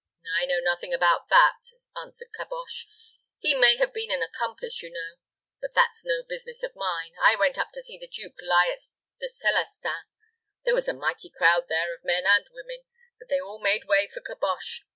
"I know nothing about that," answered Caboche. "He may have been an accomplice, you know; but that's no business of mine. I went up to see the duke lie at the Celestins. There was a mighty crowd there of men and women; but they all made way for Caboche.